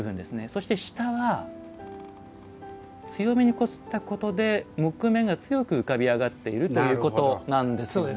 そして下は強めにこすったことで木目が強く浮かび上がっているということなんですよね。